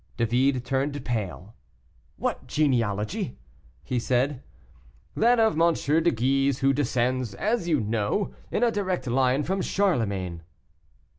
David turned pale. "What genealogy?" he said. "That of M. de Guise, who descends, as you know, in a direct line from Charlemagne."